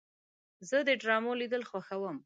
زه د ډرامو لیدل خوښوم.